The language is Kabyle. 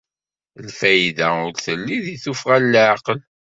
Lfayda ur telli deg tuffɣa n leɛqel.